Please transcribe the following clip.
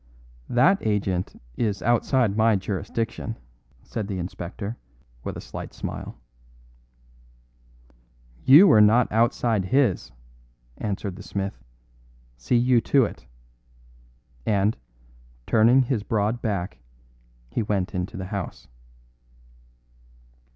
"That agent is outside my jurisdiction," said the inspector with a slight smile. "You are not outside His," answered the smith; "see you to it," and, turning his broad back, he went into the house.